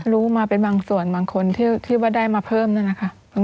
รู้มาเป็นบางส่วนบางคนที่ว่าได้มาเพิ่มนั่นนะคะ